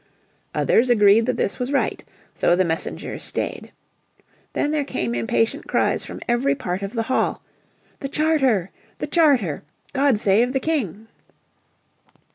Others agreed that this was right. So the messengers stayed. Then there came impatient cries from every part of the hall, "The Charter! The Charter! God save the King!"